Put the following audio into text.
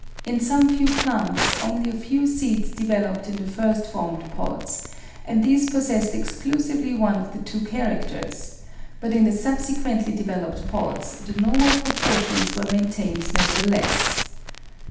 In some few plants only a few seeds developed in the first formed pods, and these possessed exclu sively one of the two characters, but in the subsequently developed pods the normal proportions were maintained nevertheless.